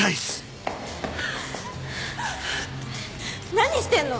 何してんの？